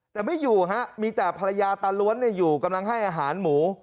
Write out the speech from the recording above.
แต่ไม่อยู่ฮะมีแต่ภรรยาตาล้วนอยู่กำลังให้อาหารหมู